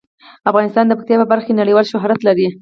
افغانستان د پکتیا په برخه کې نړیوال شهرت لري.